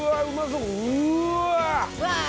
うわ！